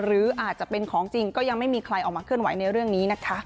หรืออาจจะเป็นของจริงก็ยังไม่มีใครออกมาเคลื่อนไหวในเรื่องนี้นะคะ